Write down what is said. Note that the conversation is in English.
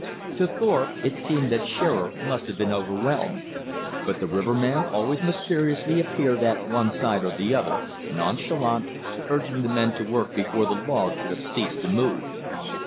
To Thorpe it seemed that Shearer must have been overwhelmed, but the riverman always mysteriously appeared at one side or the other, nonchalant, urging the men to work before the logs should have ceased to move.